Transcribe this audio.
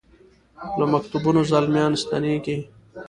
له مکتبونو زلمیا ن ستنیږي